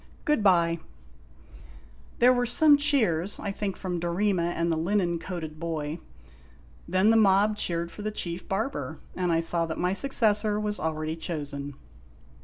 Good by !" There were some cheers, I think from Dorema and the linen 64 IMAGINOTIONS coated boy. Then the mob cheered for the Chief Barber, and I saw that my successor was already chosen.